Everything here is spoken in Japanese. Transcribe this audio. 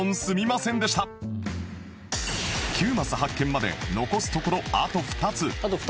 ９マス発見まで残すところあと２つ